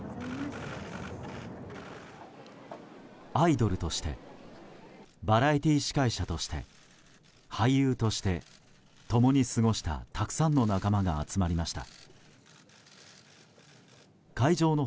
アイドルとしてバラエティー司会者として俳優として共に過ごしたたくさんの仲間が集まりました。